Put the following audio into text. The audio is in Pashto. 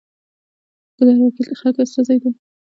ګذر وکیل د خلکو استازی دی